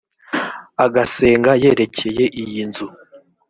agasenga yerekeye iyi nzu